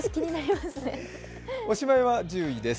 おしまいは１０位です。